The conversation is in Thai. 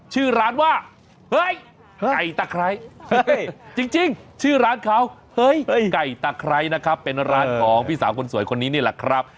ชื่อร้านว่าเฮ้ยไก่ตะไคร้จริงชื่อร้านเขาเฮ้ยไก่ตะไคร้นะครับเป็นร้านของพี่สาวคนสวยคนนี้นี่แหละครับ